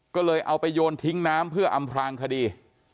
ก็เลยเอาไปโยนทิ้งน้ำเพื่ออำพลางคดี